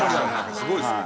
すごいですね。